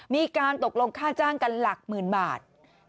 มีการตกลงค่าจ้างกันหลักหมื่นบาท